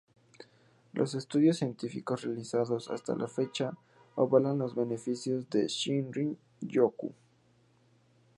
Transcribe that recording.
Los estudios científicos realizados hasta la fecha avalan los beneficios de Shinrin-yoku.